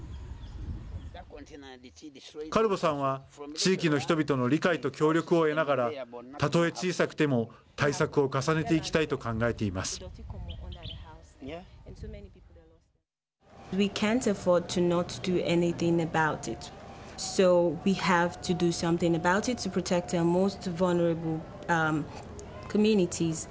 カルボさんは地域の人々の理解と協力を得ながらたとえ小さくても対策を重ねていきたいと考えています。